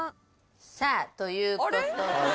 さぁということで。